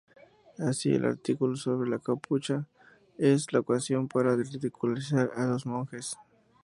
Así, el artículo sobre la "capucha" es la ocasión para ridiculizar a los monjes.